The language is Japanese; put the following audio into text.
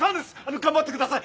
頑張ってください！